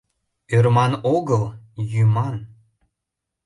Ӧрман огыл, йӱман...